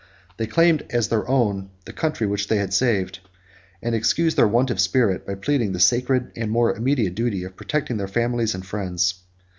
They claimed as their own the country which they had saved; and excused their want of spirit, by pleading the sacred and more immediate duty of protecting their families and friends.